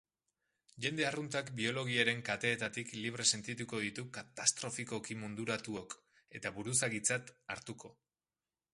Jende arruntak biologiaren kateetatik libre sentituko ditu katastrofikoki munduratuok, eta buruzagitzat hartuko.